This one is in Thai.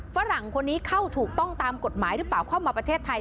ฝรั่งคนนี้เข้าถูกต้องตามกฎหมายหรือเปล่าเข้ามาประเทศไทย